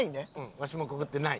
わしも「くくってない」。